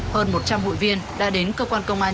hơn một trăm linh hội viên đã đến cơ quan công an